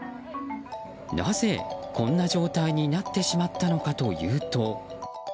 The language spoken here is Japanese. なぜこんな状態になってしまったのかというと。